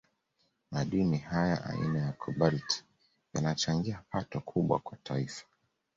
Madini haya aina ya Kobalti yanachangia pato kubwa kwa Taifa